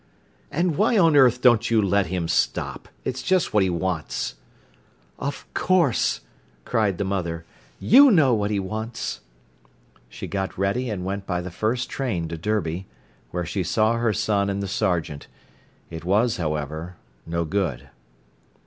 "And why on earth don't you let him stop. It's just what he wants." "Of course," cried the mother, "you know what he wants!" She got ready and went by the first train to Derby, where she saw her son and the sergeant. It was, however, no good.